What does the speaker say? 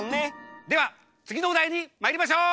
ではつぎのおだいにまいりましょう！